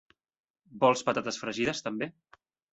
Vols patates fregides també?